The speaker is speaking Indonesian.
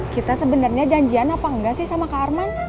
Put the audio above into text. kita sebenernya janjian apa engga sih sama kak arman